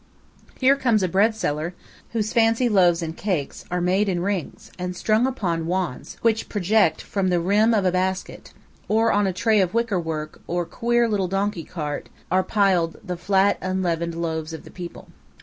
Here comes a bread seller, whose fancy loaves and cakes are made in rings and strung upon wands which project from the rim of a basket; or on a tray of wicker work or queer little donkey cart are piled the flat unleavened loaves of the people.